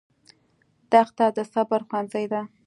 دښته د صبر ښوونځی دی.